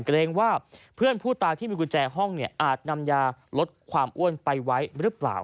เกรงว่าเพื่อนผู้ตายที่มีกุญแจห้องเนี่ยอาจนำยาลดความอ้วนไปไว้หรือเปล่า